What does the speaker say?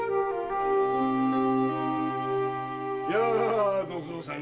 やあご苦労さん。